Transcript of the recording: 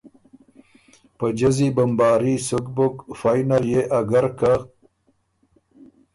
په جزی بمباري سُک بُک، فئ نر يې اګر که